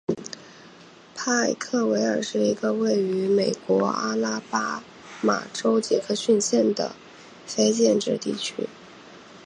派克维尔是一个位于美国阿拉巴马州杰克逊县的非建制地区。